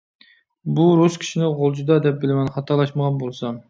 بۇ رۇس كىشىنى غۇلجىدا دەپ بىلىمەن، خاتالاشمىغان بولسام.